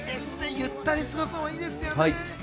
ゆったり過ごすのもいいですよね。